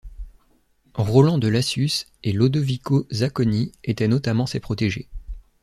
Roland de Lassus et Lodovico Zacconi était notamment ses protégés.